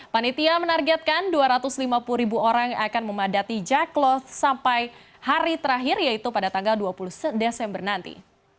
panitia menargetkan dua ratus lima puluh ribu orang akan memadati jack cloth sampai hari terakhir yaitu pada tanggal dua puluh desember nanti